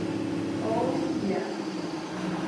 O, Yeah!